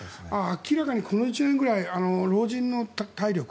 明らかにこの１年くらい老人の体力